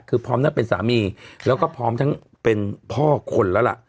คือพร้อมทั้งเป็นสามีแล้วก็พร้อมทั้งเป็นพ่อคนแล้วล่ะ